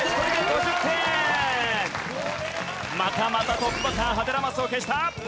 またまたトップバッターハテナマスを消した！